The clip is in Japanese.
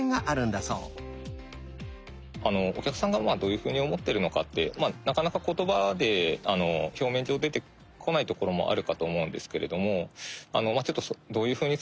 お客さんがまあどういうふうに思ってるのかってなかなか言葉で表面上出てこないところもあるかと思うんですけれどもまあちょっとどういうふうに使われるのかというのを想像しながら